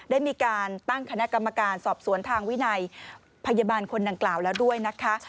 ได้มีการตั้งคณะกรรมการสอบสวนทางวินัยพยาบาลคนดังกล่าวแล้วด้วยนะคะ